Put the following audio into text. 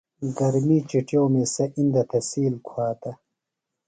گرمی چُٹیومی سےۡ اِندہ تھےۡ سیل کُھواتہ۔